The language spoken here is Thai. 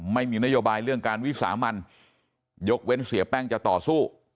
ไม่มีนโยบายเรื่องการวิสามันยกเว้นเสียแป้งจะต่อสู้